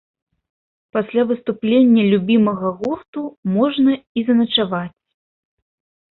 Пасля выступлення любімага гурту можна і заначаваць.